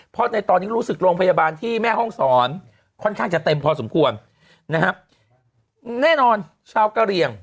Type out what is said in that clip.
เพราะในตอนนี้รู้สึกโรงพยาบาลที่แม่ห้องศรค่อนข้างจะเต็มพอสมควรนะครับแน่นอนชาวกะเหลี่ยง